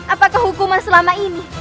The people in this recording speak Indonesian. apakah hukuman selama ini